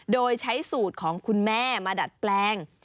โดยใช้สูตรของคุณแม่มาดัดแปลง